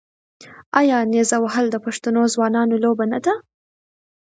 آیا نیزه وهل د پښتنو ځوانانو لوبه نه ده؟